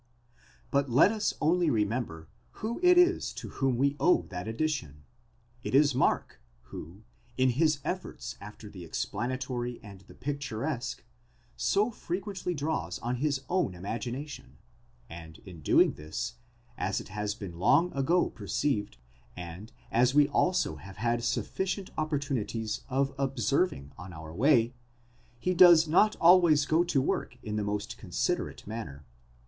But let us only remember who it is to whom we owe that addition. It is Mark, who, in his efforts after the explanatory and the picturesque, so fre quently draws on his own imagination ; and in doing this, as it has been long ago perceived, and as we also have had sufficient opportunities of observing on our way, he does not always go to work in the most considerate manner.